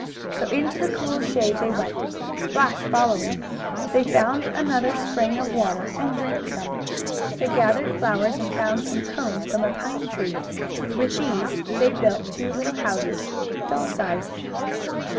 So into the cool shade they went, Splash following. They found another spring of water, and drank some. They gathered flowers, and found some cones from a pine tree. With these they built two little houses, doll size.